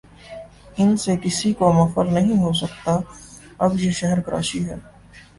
ان سے کسی کو مفر نہیں ہو سکتا اب ہر شہر کراچی ہے۔